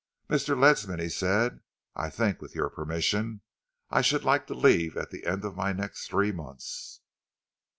"Mr. Ledsam," he said, "I think, with your permission, I should like to leave at the end of my next three months."